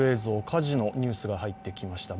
火事のニュースが入ってきました。